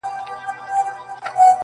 د يوسفي ښکلا چيرمنې نوره مه راگوره.